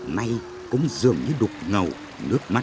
nay cũng dường như đục ngầu nước mắt